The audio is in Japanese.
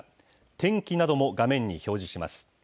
天気なども画面に表示します。